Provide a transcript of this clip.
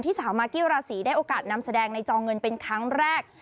สาวมากี้ราศีได้โอกาสนำแสดงในจอเงินเป็นครั้งแรก